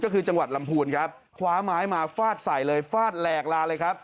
ก็คือจังหวัดลำพูนครับคว้าไม้มาฟาดใส่เลยฟาดแหลกลาเลยครับ